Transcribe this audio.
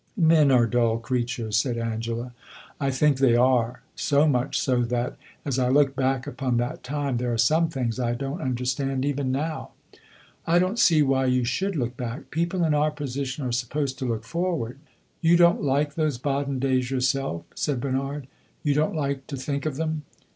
"Men are dull creatures," said Angela. "I think they are. So much so that, as I look back upon that time, there are some things I don't understand even now." "I don't see why you should look back. People in our position are supposed to look forward." "You don't like those Baden days yourself," said Bernard. "You don't like to think of them."